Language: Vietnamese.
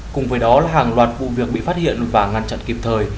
cùng với đó là hàng loạt vụ việc bị phát hiện và ngăn chặn kịp thời